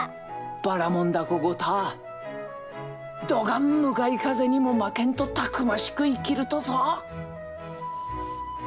ばらもん凧ごた、どがん向かい風にも負けんと、たくましく生きるとぞ。